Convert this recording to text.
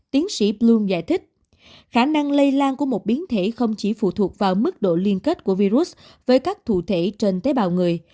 tiến sĩ blun giải thích khả năng lây lan của một biến thể không chỉ phụ thuộc vào mức độ liên kết của virus với các thủ thể trên tế bào người